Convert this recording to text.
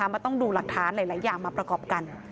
มันต้องดูหลักฐานหลายอย่างมาประกอบกัน